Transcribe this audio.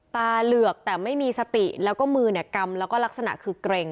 ตาเหลือกแต่ไม่มีสติแล้วก็มือเนี่ยกำแล้วก็ลักษณะคือเกร็ง